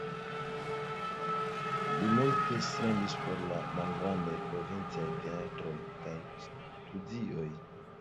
Li multe strebis por la malgrandaj provincaj teatroj kaj studioj.